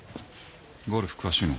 ゴルフ詳しいの？